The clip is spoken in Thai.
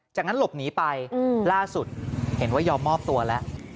จากนั้นหลบหนีไปล่าสุดเห็นว่ายอมมอบตัวแล้ว